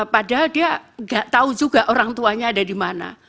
padahal dia nggak tahu juga orang tuanya ada di mana